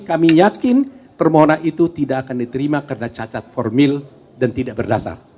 kami yakin permohonan itu tidak akan diterima karena cacat formil dan tidak berdasar